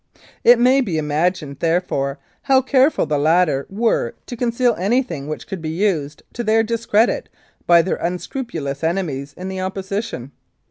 It may be imagined, therefore, how careful the latter were to conceal anything which could be used to their discredit by their unscrupulous enemies in the opposition.